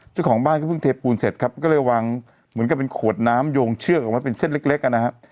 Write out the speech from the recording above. เจ้าของบ้านก็เพิ่งเทปูนเสร็จครับก็เลยวางเหมือนกับเป็นขวดน้ำโยงเชือกออกมาเป็นเส้นเล็กเล็กอ่ะนะฮะ